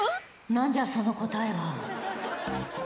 何じゃその答えは？